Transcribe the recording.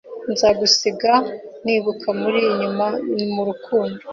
Nzagusiga nibuka muri nyuma murukundo